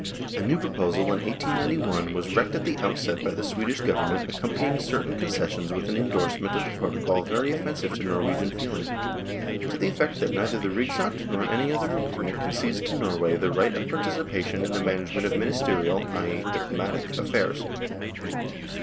A new proposal in 1891 was wrecked at the outset by the Swedish Government accompanying certain concessions with an endorsement of the protocol very offensive to Norwegian feeling, to the effect that " neither the ' Rigsakt ' nor any other agreement concedes to Norway the right of partici pation in the management of ministerial (i.e., diplo matic) affairs."